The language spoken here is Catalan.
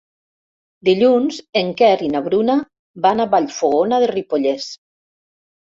Dilluns en Quer i na Bruna van a Vallfogona de Ripollès.